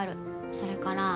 それから。